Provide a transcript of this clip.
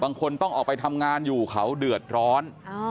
บางคนต้องออกไปทำงานอยู่เขาเดือดร้อน